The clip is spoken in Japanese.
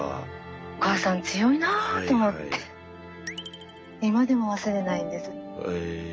「お母さん強いな」って思って今でも忘れないんです。